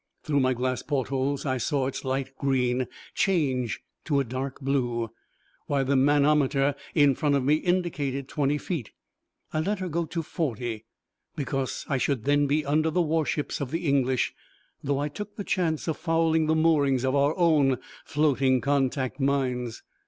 Through my glass portholes I saw its light green change to a dark blue, while the manometer in front of me indicated twenty feet. I let her go to forty, because I should then be under the warships of the English, though I took the chance of fouling the moorings of our own floating contact mines.